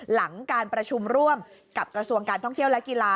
หลังการประชุมร่วมกับกระทรวงการท่องเที่ยวและกีฬา